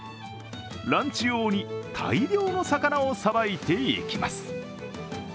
ランチ用に大量の魚をさばいていきます。